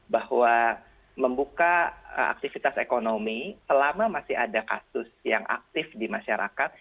bahwa membuka aktivitas ekonomi selama masih ada kasus yang aktif di masyarakat